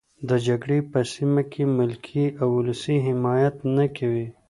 د جګړې په سیمه کې ملکي او ولسي حمایت نه کوي.